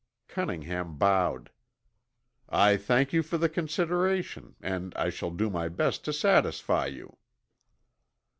Cunningham bowed. "I thank you for the consideration, and I shall do my best to satisfy you."